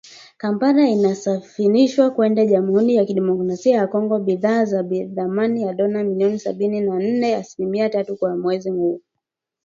Kampala inasafirisha kwenda Jamuhuri ya Kidemokrasia ya Kongo bidhaa za thamani ya dola milioni sabini na nne asilimia tatu kwa mwezi huo